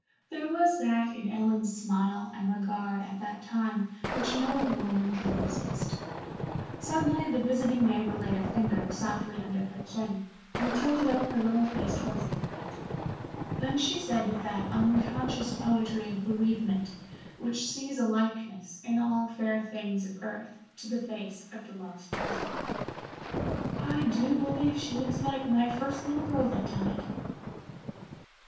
There was that in Ellen's smile and regard at that time which no woman could resist. Suddenly the visiting neighbor laid a finger softly under her chin and tilted up her little face towards the light. Then she said with that unconscious poetry of bereavement which sees a likeness in all fair things of earth to the face of the lost treasure, "I do believe she looks like my first little girl that died."